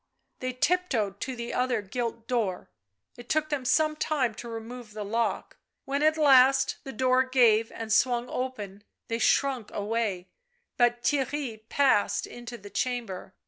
They tiptoed to the other gilt door ; it took them some time to remove the lock. When at last the door gave and swung open they shrunk away — but Theirry passed into the chamber.